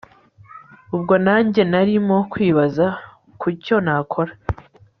ubwo nanjye narimo kwibaza kucyo nakora